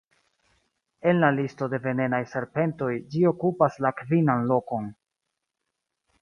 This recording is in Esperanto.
En la listo de venenaj serpentoj ĝi okupas la kvinan lokon.